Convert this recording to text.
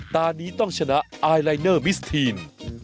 ตอนนี้ต้องชนะมิสทีน